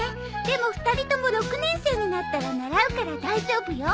でも２人とも６年生になったら習うから大丈夫よ。